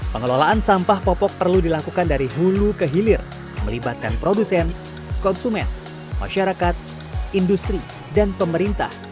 pengelolaan sampah popok perlu dilakukan dari hulu ke hilir melibatkan produsen konsumen masyarakat industri dan pemerintah